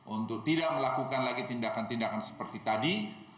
untuk tidak melakukan lagi tindakan tindakan seperti tadi